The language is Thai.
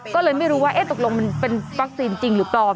ก็เลยไม่รู้ว่าตกลงมันเป็นวัคซีนจริงหรือปลอม